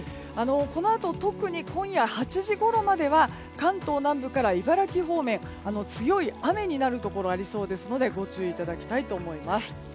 このあと特に今夜８時ごろまでは関東南部から茨城方面強い雨になるところありそうですのでご注意いただきたいと思います。